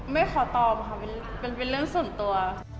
ไม่ขอตอบค่ะมันเป็นเรื่องส่วนตัว